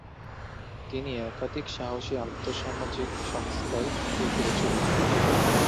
তিনি একাধিক সাহসী আর্থ-সামাজিক সংস্কার শুরু করেছিলেন।